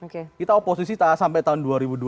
kita oposisi sampai tahun dua ribu dua puluh